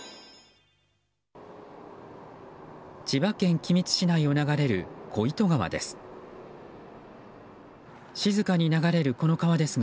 千葉県君津市内を流れる小糸川です。